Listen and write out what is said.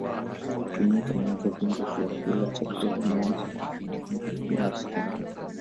Kutumia pamoja vyombo vya kula chakula maji ama vitu binafsi pamoja